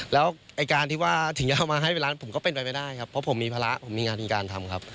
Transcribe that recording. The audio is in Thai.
แล้วไอ้การที่ว่าถึงจะเอามาให้เป็นร้านผมก็เป็นไปไม่ได้ครับเพราะผมมีภาระผมมีงานมีการทำครับ